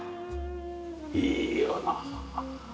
いいよな。